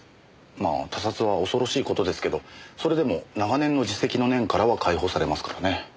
まあ他殺は恐ろしい事ですけどそれでも長年の自責の念からは解放されますからね。